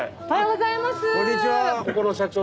こんにちは。